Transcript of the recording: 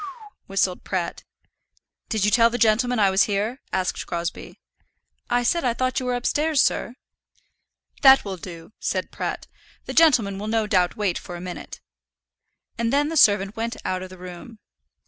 "Whew w w hew," whistled Pratt. "Did you tell the gentleman I was here?" asked Crosbie. "I said I thought you were upstairs, sir." "That will do," said Pratt. "The gentleman will no doubt wait for a minute." And then the servant went out of the room.